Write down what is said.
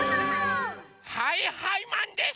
はいはいマンです！